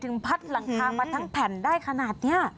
พัดหลังคามาทั้งแผ่นได้ขนาดนี้